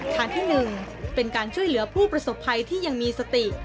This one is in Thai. ทางที่๑เป็นการช่วยเหลือผู้ประสบภัยที่ยังมีสติ